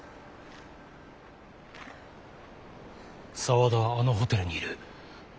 沢田はあのホテルにいる。